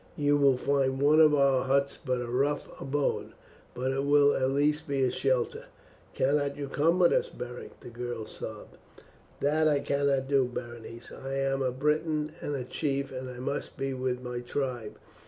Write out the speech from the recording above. You will find one of our huts but a rough abode, but it will at least be a shelter." "Cannot you come with us, Beric?" the girl sobbed. "That I cannot do, Berenice. I am a Briton and a chief, and I must be with my tribe.